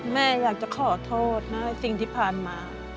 แม่อยากจะขอโทษนะสิ่งที่ผ่านมา